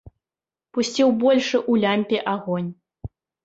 Пусціў большы ў лямпе агонь.